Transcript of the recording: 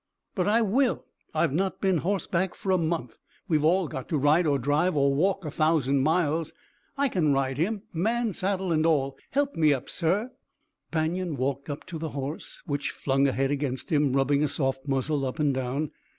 "But I will! I've not been horseback for a month. We've all got to ride or drive or walk a thousand miles. I can ride him, man saddle and all. Help me up, sir?" Banion walked to the horse, which flung a head against him, rubbing a soft muzzle up and down.